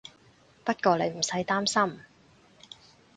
不過你唔使擔心